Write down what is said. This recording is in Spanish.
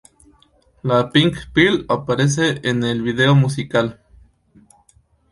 La "Pink pill" aparece en el vídeo musical.